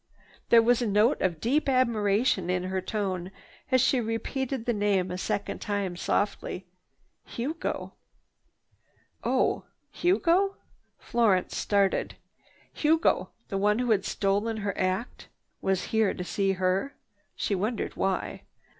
There was a note of deep admiration in her tone as she repeated the name a second time softly: "Hugo." "Oh, Hugo?" Florence started. Hugo, the one who had stolen her act, was here to see her. She wondered why.